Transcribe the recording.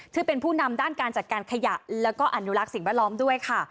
ซึ่งเป็นผู้นำด้านการจัดการขยะแล้วก็อนุรักษ์สิ่งแวดล้อมด้วยค่ะ